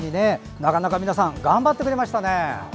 なかなか皆さん頑張ってくれましたね！